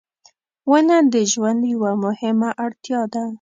• ونه د ژوند یوه مهمه اړتیا ده.